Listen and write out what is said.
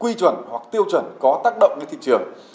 cái tiêu chuẩn hoặc tiêu chuẩn có tác động trên thị trường